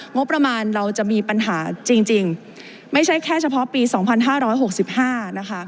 งบประมาณเราจะมีปัญหาจริงไม่ใช่แค่เฉพาะปี๒๕๖๕นะคะ